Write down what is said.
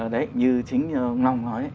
đấy như chính ông long nói ấy